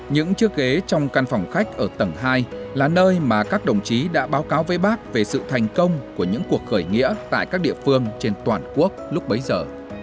những chiếc ghế trong căn phòng khách ở tầng hai là nơi mà các đồng chí đã báo cáo với bác về sự thành công của những cuộc khởi nghĩa tại các địa phương trên toàn quốc lúc bấy giờ